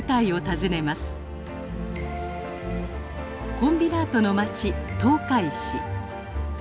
コンビナートの町東海市。